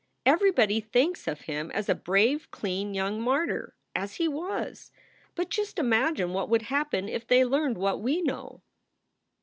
Everybody thinks of him as a brave, clean young martyr as he was. But just imagine what would happen if they learned what we know.